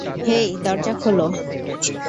হেই, দরজা খোল।